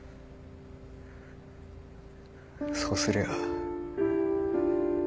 そうすりゃ。